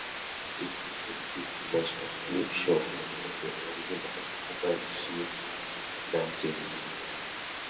Instead it is a short clip show of the original "Mobile Suit Gundam" series.